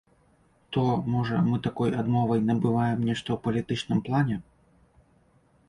То, можа, мы такой адмовай набываем нешта ў палітычным плане?